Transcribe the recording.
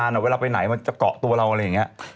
ใช่อ่ะพี่มันไม่ใช่เห็บมัดนะ